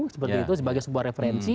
seperti itu sebagai sebuah referensi